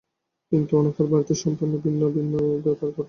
কিন্তু অনুফার বাড়িতে সম্পূর্ণ ভিন্ন ব্যাপার ঘটল।